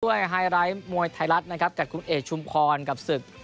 ไฮไลท์มวยไทยรัฐนะครับกับคุณเอกชุมพรกับศึก